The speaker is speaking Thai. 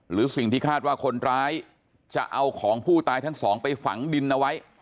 หรือสิ่งที่คาดว่าคนร้ายจะเอาของผู้ตายทั้งสองไปฝังดินเอาไว้